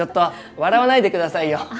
笑わないで下さいよ。